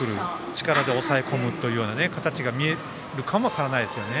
力で抑え込む形が見えるかもしれないですね。